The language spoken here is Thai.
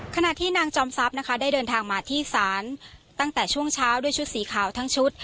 ขณะที่นางจอมทรัพย์นะคะได้เดินทางมาที่ศาลตั้งแต่ช่วงเช้าด้วยชุดสีขาวทั้งชุด